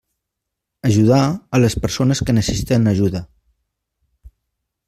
Ajudar a les persones que necessiten ajuda.